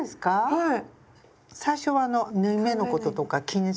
はい。